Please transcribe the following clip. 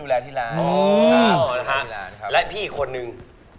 และพี่อีกคนนึง